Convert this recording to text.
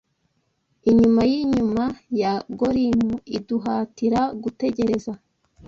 inyuma yinyuma ya Golimu iduhatira gutekereza